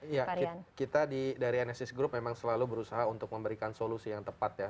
ya kita dari nsis group memang selalu berusaha untuk memberikan solusi yang tepat ya